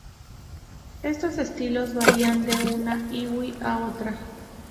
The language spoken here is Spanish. Estos estilos varían de una iwi a otra.